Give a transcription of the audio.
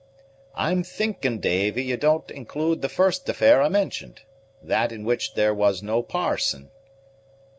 "I'm thinking, Davy, you don't include the first affair I mentioned; that in which there was no parson."